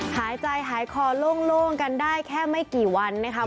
หายใจหายคอโล่งกันได้แค่ไม่กี่วันนะคะ